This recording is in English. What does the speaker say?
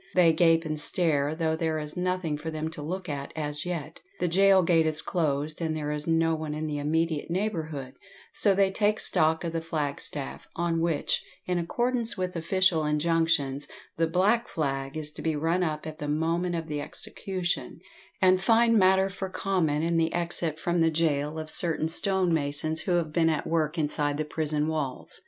They gape and stare, though there is nothing for them to look at as yet; the gaol gate is closed, and there is no one in the immediate neighbourhood, so they take stock of the flagstaff, on which, in accordance with official injunctions, the "black flag" is to be run up at the moment of the execution, and find matter for comment in the exit from the gaol of certain stonemasons who have been at work inside the prison walls.